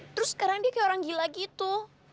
terus sekarang dia kayak orang gila gitu